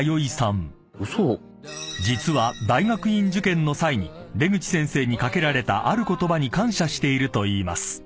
［実は大学院受験の際に出口先生に掛けられたある言葉に感謝しているといいます］